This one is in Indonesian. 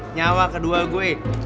nyawa kedua gue